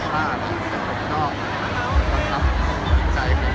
คิดว่ามันเป็นเรือนธรรมทราบแต่ร้อนไหม